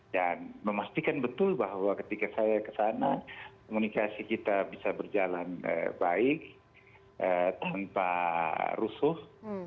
dan memastikan betul bahwa ketika saya ke sana komunikasi kita bisa berjalan baik tanpa rusuh